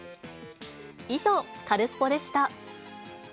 以上、カルスポっ！でした。